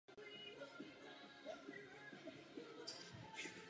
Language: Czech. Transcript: Položil základy mandžuské vlády v Číně.